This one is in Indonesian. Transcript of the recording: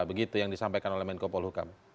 begitu yang disampaikan oleh menko polhukam